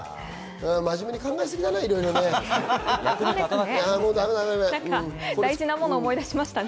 真面目に考えすぎだね、いろいろとね。